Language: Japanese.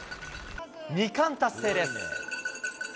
２冠達成です。